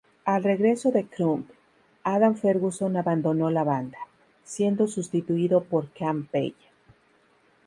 Al regreso de Crump, Adam Ferguson abandonó la banda, siendo sustituido por Campbell.